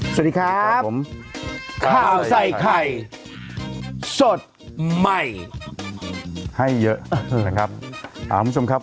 สวัสดีครับผมข่าวใส่ไข่สดใหม่ให้เยอะนะครับอ่าคุณผู้ชมครับ